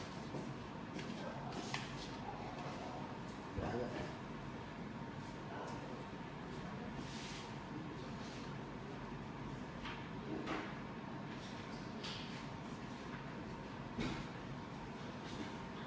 กลุ่มใหม่กับหมอกมือ